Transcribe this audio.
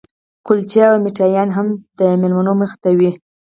کلچې او میټایانې هم د مېلمنو مخې ته وې.